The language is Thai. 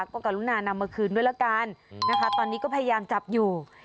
ก็กรุณานำมาคืนด้วยละกันนะคะตอนนี้ก็พยายามจับอยู่